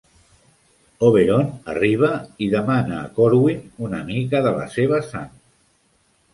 Oberon arriba i demana a Corwin una mica de la seva sang.